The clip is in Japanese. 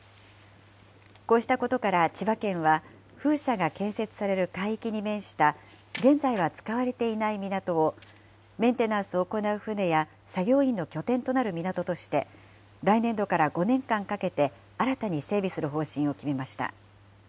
こうしたことから千葉県は、風車が建設される海域に面した現在は使われていない港を、メンテナンスを行う船や作業員の拠点となる港として、来年度から５年間かけて新たに整備する方針を決めました。